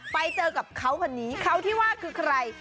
ไปเจอกับเขาคนนี้เขาที่ว่าคือใคร